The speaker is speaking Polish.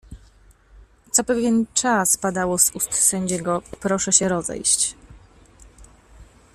"Co pewien czas padało z ust sędziego: „proszę się rozejść“."